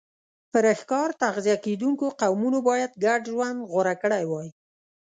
پر ښکار تغذیه کېدونکو قومونو باید ګډ ژوند غوره کړی وای